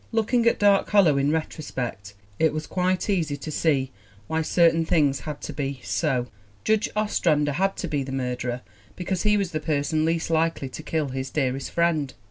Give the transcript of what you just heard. Looking at Dark Hollow in retrospect it is quite easy to see why certain things had to be so. Judge Ostrander had to be the murderer because he was the person least likely to kill his dearest friend.